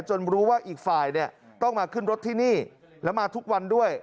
รู้ว่าอีกฝ่ายเนี่ยต้องมาขึ้นรถที่นี่แล้วมาทุกวันด้วย